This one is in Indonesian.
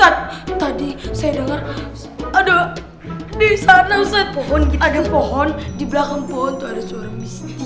tadi saya dengar ada di sana ada pohon di belakang